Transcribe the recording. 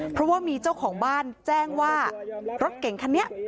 เพราะว่ามีเจ้าของบ้านแจ้งว่ารถเก่งคันนี้